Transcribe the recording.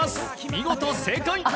見事、正解！